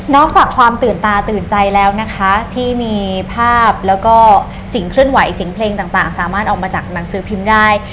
อกจากความตื่นตาตื่นใจแล้วนะคะที่มีภาพแล้วก็เสียงเคลื่อนไหวเสียงเพลงต่างสามารถออกมาจากหนังสือพิมพ์ได้